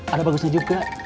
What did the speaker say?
ada bagusnya juga